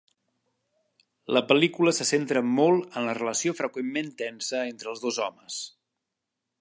La pel·lícula se centra molt en la relació freqüentment tensa entre els dos homes.